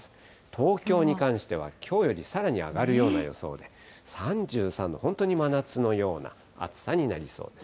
東京に関してはきょうよりさらに上がるような予想で、３３度、本当に真夏のような暑さになりそうです。